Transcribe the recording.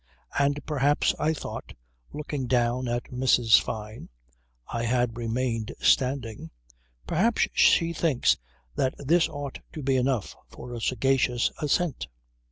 And perhaps, I thought, looking down at Mrs. Fyne (I had remained standing) perhaps she thinks that this ought to be enough for a sagacious assent.